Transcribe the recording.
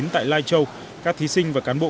tại lai châu các thí sinh và cán bộ